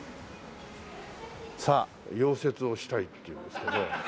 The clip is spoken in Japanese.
溶接をしたいって言うんですけど。